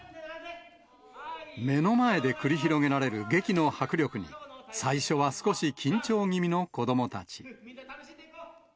目の前で繰り広げられる劇の迫力に、最初は少し緊張気味の子どもたち。